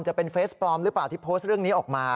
จะเป็นเฟสปลอมหรือเปล่าที่โพสต์เรื่องนี้ออกมา